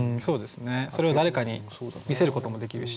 それを誰かに見せることもできるし。